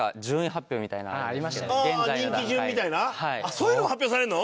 そういうのも発表されるの？